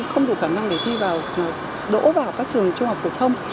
không đủ khả năng để thi đổ vào các trường trung học phổ thông